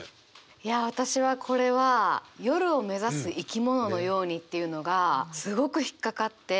いや私はこれは「夜を目指す生きもののように」っていうのがすごく引っ掛かって。